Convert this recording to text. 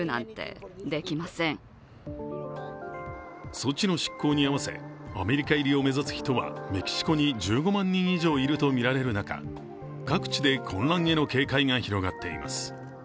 措置の失効に合わせアメリカ入りを目指す人はメキシコに１５万人以上いるとみられる中、各地で混乱への警戒が広がっています。